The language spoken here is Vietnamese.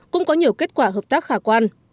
cũng có nhiều kết quả hợp tác khả quan